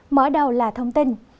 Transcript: mở đầu là thông tin